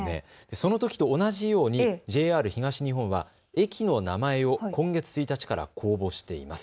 そのときと同じようにＪＲ東日本は駅の名前を今月１日から公募しています。